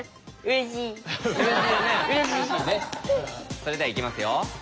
それではいきますよ。